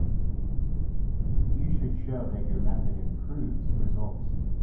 You should show that your method improves results.